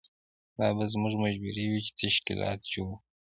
دا به زموږ مجبوري وي چې تشکیلات جوړ کړو.